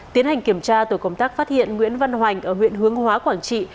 tiến hành kiểm tra tổ công tác phát hiện nguyễn văn hoành ở huyện hướng hóa quảng trị